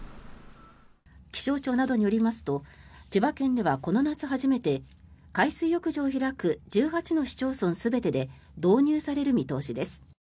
気象庁などによりますと千葉県ではこの夏初めて海水浴場を開く１８の市町村全てで導入される見通しです。